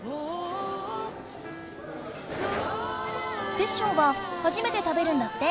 テッショウははじめて食べるんだって。